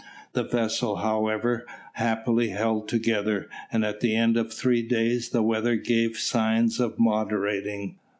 The vessel, however, happily held together, and at the end of three days the weather gave signs of moderating.